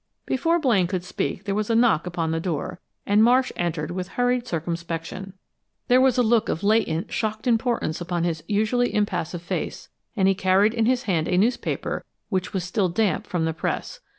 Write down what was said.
Before Blaine could speak, there was a knock upon the door, and Marsh entered with hurried circumspection. There was a look of latent, shocked importance upon his usually impassive face, and he carried in his hand a newspaper which was still damp from the press.